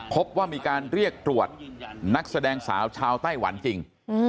พบว่ามีการเรียกตรวจนักแสดงสาวชาวไต้หวันจริง